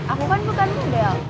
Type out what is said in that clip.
aku kan bukan model